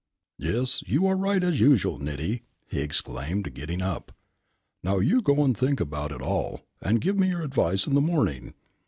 "Yes, you are right as usual, Niti," he exclaimed, getting up. "Now you go and think about it all, and give me your advice in the morning.